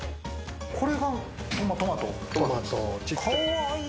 これがトマト？